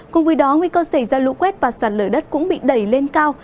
cùng với đó nguy cơ xảy ra lũ quét và sạt lở đất cũng bị đẩy lên cao